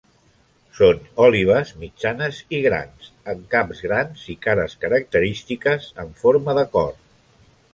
Són òlibes mitjanes i grans, amb caps grans i cares característiques en forma de cor.